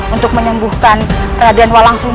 untuk menyembuhkan radian walang sunsang